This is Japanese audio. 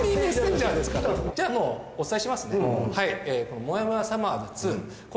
じゃあもうお伝えしますね。